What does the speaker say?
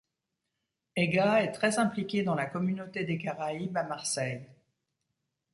Ega est très impliquée dans la communauté des Caraïbes à Marseille.